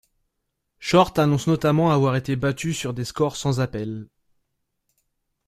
Short annonce notamment avoir été battu sur des scores sans appel.